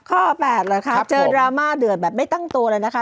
ข้อ๘เหรอคะเจอดราม่าเดือดแบบไม่ตั้งตัวเลยนะคะ